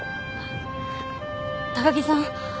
高木さん